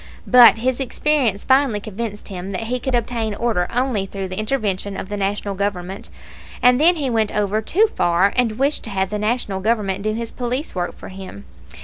But his experience finally convinced him that he could obtain order only through the intervention of the National Government; and then he went over too far and wished to have the National Government do his police work for him.